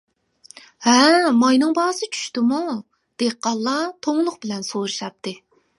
-ھە، ماينىڭ باھاسى چۈشتىمۇ، -دېھقانلار توڭلۇق بىلەن سورىشاتتى.